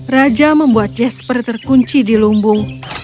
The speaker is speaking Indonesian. raja membuat jasper terkunci di lumbung